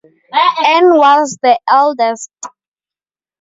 Ann was the eldest.